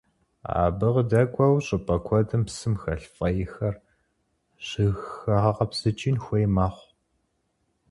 Абы къыдэкӀуэу щӀыпӀэ куэдым псым хэлъ фӀейхэр щыхэгъэкъэбзыкӀын хуей мэхъу.